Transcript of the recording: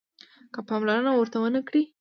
که پاملرنه ورته ونه کړئ